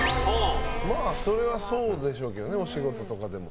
まあ、それはそうでしょうけどお仕事とかでも。